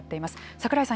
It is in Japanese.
櫻井さん